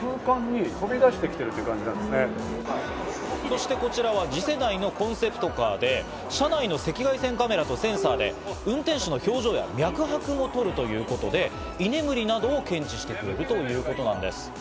そしてこちらは次世代のコンセプトカーで、車内の赤外線カメラとセンサーで運転手の表情や、脈拍なども取るということで、居眠りなどを検知してくれるということなんです。